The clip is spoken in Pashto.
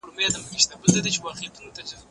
هغه زما دلوبو نجونې